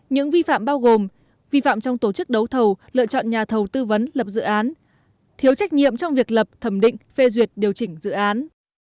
những vi phạm bao gồm vi phạm trong tổ chức đấu thầu lựa chọn nhà thầu tư vấn lập dự án thiếu trách nhiệm trong việc lập thẩm định phê duyệt điều chỉnh dự án